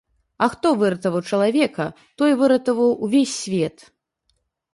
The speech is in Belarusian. А хто выратаваў чалавека, той выратаваў увесь свет.